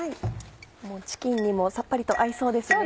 チキンにもさっぱりと合いそうですね。